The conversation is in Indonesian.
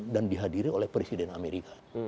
dan dihadiri oleh presiden amerika